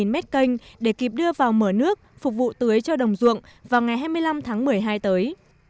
một mét canh để kịp đưa vào mở nước phục vụ tưới cho đồng ruộng vào ngày hai mươi năm tháng một mươi hai tới